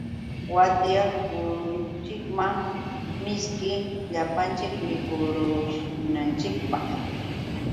Watyakuruchuwan mishki llapanchik mikurunanchikpaq.